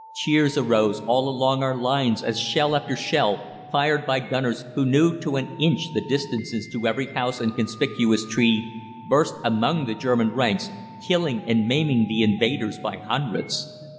Cheers arose all along our lines, as shell after shell, fired by gunners who knew to an inch the distances to every house and conspicuous tree, burst among the German ranks, killing and maiming the invaders by hundreds.